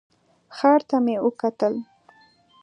ښار ته مې وکتل.